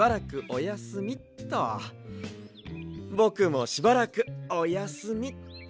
ぼくもしばらくおやすみっと。